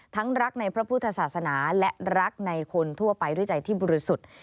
ทั้งรักในพระพุทธศาสนาและรักในคนทั่วไปด้วยใจที่บริสุทธิ์